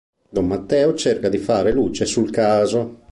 Don Matteo cerca di fare luce sul caso.